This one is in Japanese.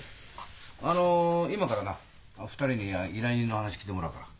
あの今からな２人に依頼人の話聞いてもらうから。